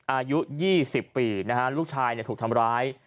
อายุ๒๐ปีลูกชายทุกข์ทำร้าย